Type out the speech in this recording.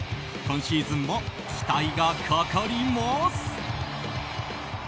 今シーズンも期待がかかります。